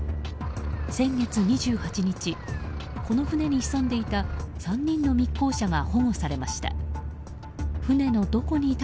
先月２８日、この船に潜んでいた３人の密航者が保護されました。